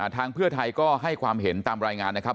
ทางเพื่อไทยก็ให้ความเห็นตามรายงานนะครับ